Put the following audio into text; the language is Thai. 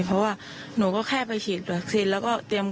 เพราะว่าหนูก็แค่ไปฉีดวิคซีน